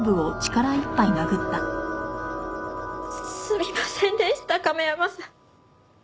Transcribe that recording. すみませんでした亀山さん。